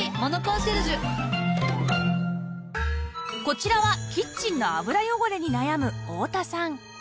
こちらはキッチンの油汚れに悩む太田さん